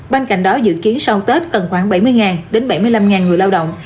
bên cạnh đó dự kiến sau tết cần khoảng bảy mươi đến bảy mươi năm người lao động